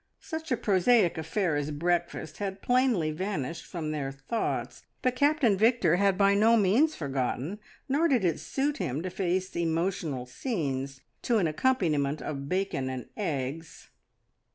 Such a prosaic affair as breakfast had plainly vanished from their thoughts, but Captain Victor had by no means forgotten, nor did it suit him to face emotional scenes to an accompaniment of bacon and eggs.